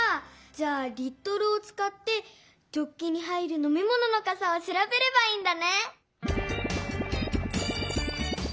じゃあ「リットル」をつかってジョッキに入るのみものの「かさ」をしらべればいいんだね！